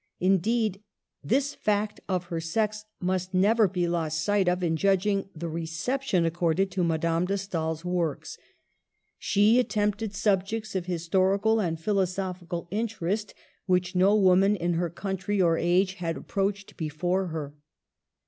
Indeed, this fact of her sex must never be lost sight of in judging the reception accorded to Madame de Stael's works. She attempted subjects of his Digitized by VjOOQLC HER WORKS. 209 torical and philosophical interest which no woman in her country or age had approached before her.